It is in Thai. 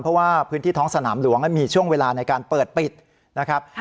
เพราะว่าพื้นที่ท้องสนามหลวงมีช่วงเวลาในการเปิดปิดนะครับ